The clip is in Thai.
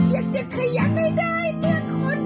อยากจะขยันให้ได้เพื่อนคนอื่น